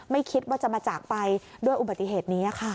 ไม่คิดว่าจะมาจากไปด้วยอุบัติเหตุนี้ค่ะ